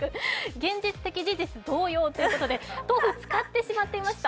現実的事実動揺ということで豆腐、使ってしまっていました。